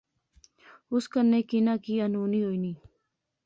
اس کنے کی نہ کی انہونی ہوئی نی